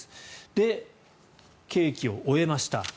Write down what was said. で、刑期を終えました。